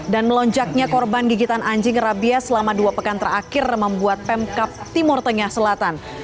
dan melonjaknya korban gigitan anjing rabias selama dua pekan terakhir membuat pemkap timur tengah selatan